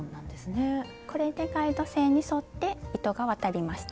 これでガイド線に沿って糸が渡りました。